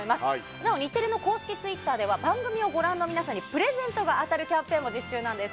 なお日テレの公式ツイッターでは番組をご覧の皆さんにプレゼントが当たるキャンペーンも実施中なんです。